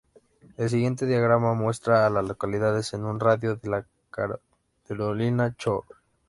El siguiente diagrama muestra a las localidades en un radio de de Carolina Shores.